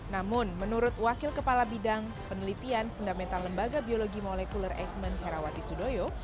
namun menurut wakil kepala bidang penelitian fundamental lembaga biologi molekuler eijkman herawati sudoyo